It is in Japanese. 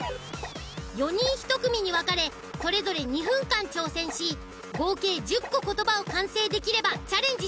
４人１組に分かれそれぞれ２分間挑戦し合計１０個言葉を完成できればチャレンジ